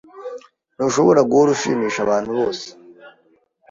Ntushobora guhora ushimisha abantu bose.